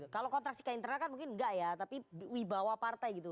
kalau kontraksi ke internal kan mungkin enggak ya tapi wibawa partai gitu